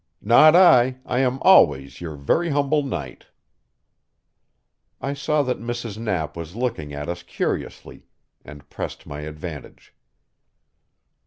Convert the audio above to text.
"Not I. I am always your very humble knight." I saw that Mrs. Knapp was looking at us curiously, and pressed my advantage.